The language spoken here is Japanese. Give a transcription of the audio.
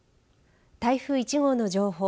台風１号の情報。